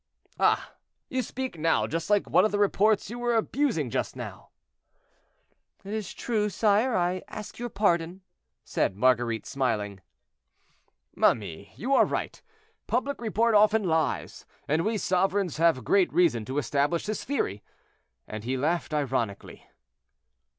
"Ah! you speak now just like one of the reports you were abusing just now." "It is true, sire, and I ask your pardon," said Marguerite, smiling. "Ma mie, you are right, public report often lies, and we sovereigns have great reason to establish this theory;" and he laughed ironically.